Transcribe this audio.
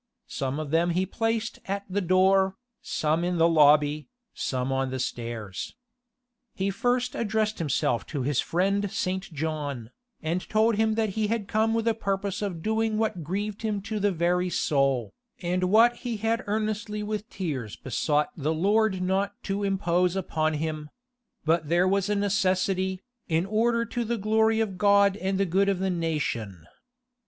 Some of them he placed at the door, some in the lobby, some on the stairs. He first addressed himself to his friend St. John, and told him that he had come with a purpose of doing what grieved him to the very soul, and what he had earnestly with tears besought the Lord not to impose upon him: but there was a necessity, in order to the glory of God and good of the nation.